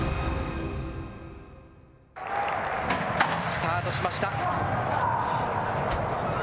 スタートしました。